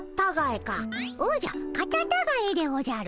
おじゃカタタガエでおじゃる。